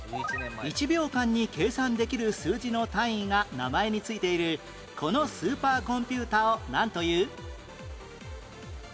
１秒間に計算できる数字の単位が名前に付いているこのスーパーコンピュータをなんという？